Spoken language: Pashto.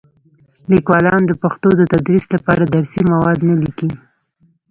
لیکوالان د پښتو د تدریس لپاره درسي مواد نه لیکي.